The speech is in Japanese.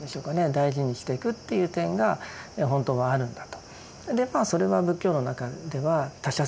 大事にしてくっていう点がほんとはあるんだと。